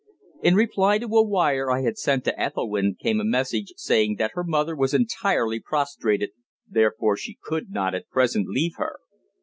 In reply to a wire I had sent to Ethelwynn came a message saying that her mother was entirely prostrated, therefore she could not at present leave her.